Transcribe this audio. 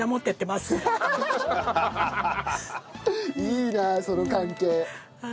いいなあその関係。